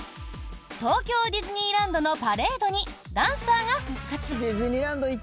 東京ディズニーランドのパレードにダンサーが復活。